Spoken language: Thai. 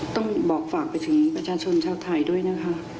ต้องบอกฝากไปถึงประชาชนชาวไทยด้วยนะคะ